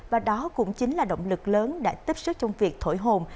và đó cũng chính là động lực lớn đã tiếp sức trong việc thổi hồn